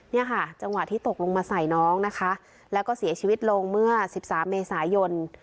เนี่ยค่ะจังหวะที่ตกลงมาใส่น้องนะคะแล้วก็เสียชีวิตลงเมื่อ๑๓เมษายน